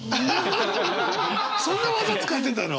そんな技使ってたの？